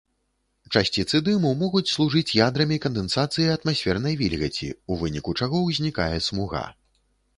Часціцы дыму могуць служыць ядрамі кандэнсацыі атмасфернай вільгаці, у выніку чаго ўзнікае смуга.